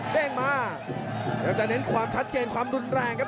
เด้งมาพยายามจะเน้นความชัดเจนความรุนแรงครับ